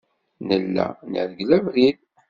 Nella nergel abrid.